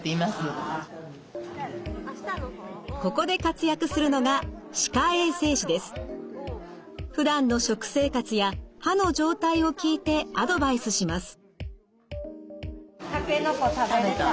ここで活躍するのがふだんの食生活や歯の状態を聞いてアドバイスします。